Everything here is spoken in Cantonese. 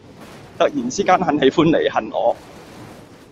突然之間很喜歡你恨我